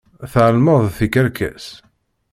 Tɛelmeḍ d tikerkas.